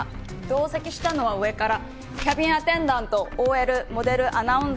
同席したのは上からキャビンアテンダントＯＬモデルアナウンサー女優の卵。